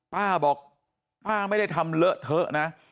ป้าบอกป้าไม่ได้ทำเลอะเทอะนะ